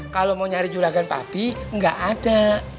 kalau mau nyari julagan papi enggak ada